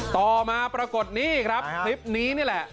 ต่อมาปรากฏนี่ครับคลิปนี้นี่แหละ